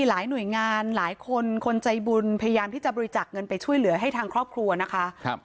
หลายหน่วยงานหลายคนคนใจบุญพยายามที่จะบริจาคเงินไปช่วยเหลือให้ทางครอบครัวนะคะ